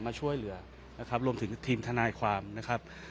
มาช่วยเหลือนะครับรวมถึงทีมทนายความนะครับ